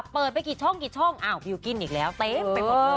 เปิดไปกี่ช่องกี่ช่องอ้าวบิลกิ้นอีกแล้วเต็มไปหมดเลย